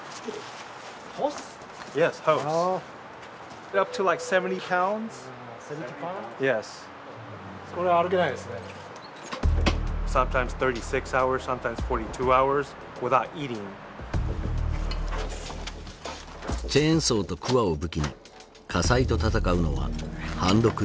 チェーンソーとクワを武器に火災と闘うのはハンドクルー。